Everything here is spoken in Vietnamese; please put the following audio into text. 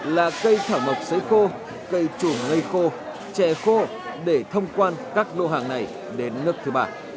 là cây thảo mộc dây khô cây trùm ngây khô chè khô để thông quan các lô hàng này đến nước thứ ba